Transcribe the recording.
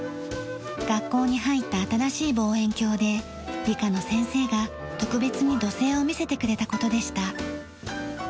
学校に入った新しい望遠鏡で理科の先生が特別に土星を見せてくれた事でした。